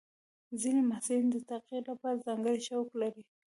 ځینې محصلین د تحقیق لپاره ځانګړي شوق لري.